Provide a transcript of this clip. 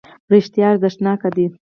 رښتیا ارزښتناکه ده.